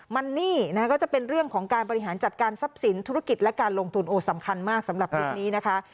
มันนี่นะคะก็จะเป็นเรื่องของการบริหารจัดการทรัพย์สินธุรกิจและการลงทุนโอ้สำคัญมากสำหรับคลิปนี้นะคะ